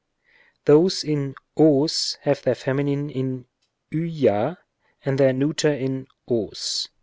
Those in ws have their feminine in va and their neuter in os.